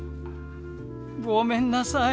ごめんなさい。